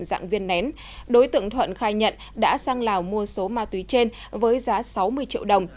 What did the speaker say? dạng viên nén đối tượng thuận khai nhận đã sang lào mua số ma túy trên với giá sáu mươi triệu đồng